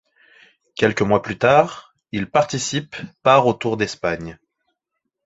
Quelques mois plus tard, il participe part au Tour d'Espagne.